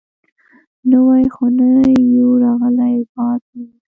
_نوي خو نه يو راغلي، باز مير.